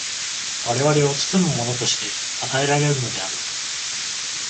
我々を包むものとして与えられるのである。